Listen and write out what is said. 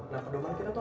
nah pedoman kita tuh